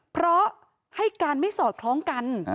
เพราะให้การไม่สอดคล้องกัน